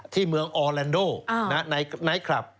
ที่เมืองออรันโดไนเกลับ